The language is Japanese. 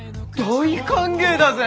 大歓迎だぜ。